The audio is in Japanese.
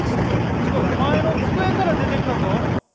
こっち来いお前の机から出てきたぞ！